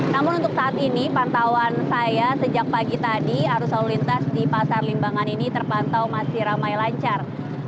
namun untuk saat ini pantauan saya sejak pagi tadi arus lalu lintas di pasar limbangan ini terpantau masih ramai lancar